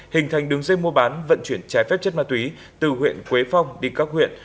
hình thành đường dây mua bán vận chuyển trái phép chất ma túy từ huyện quế phong đi các huyện